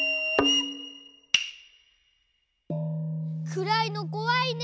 くらいのこわいね。